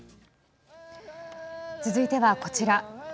続いては、こちら。